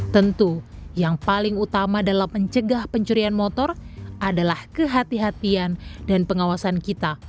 tentu yang paling utama dalam mencegah pencurian motor adalah kehatian dan pengawasan kita